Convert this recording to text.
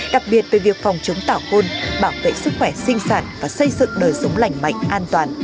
đặc biệt về việc phòng chống tảo hôn bảo vệ sức khỏe sinh sản và xây dựng đời sống lành mạnh an toàn